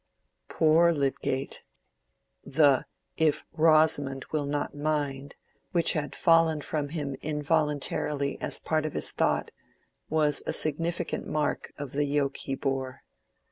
Poor Lydgate! the "if Rosamond will not mind," which had fallen from him involuntarily as part of his thought, was a significant mark of the yoke he bore.